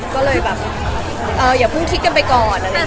ก็เลยแบบอย่าพึ่งคิดกันไปก่อนอะไรอย่างนี้ค่ะ